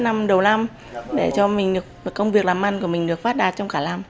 năm đầu năm để cho mình công việc làm ăn của mình được phát đạt trong cả năm